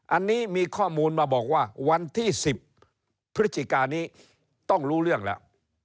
อันนี้มีข้อมูลมาบอกว่าวันที่๑๐พฤศจิกานี้ต้องรู้เรื่องแล้ว